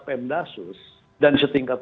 pemdasus dan setingkat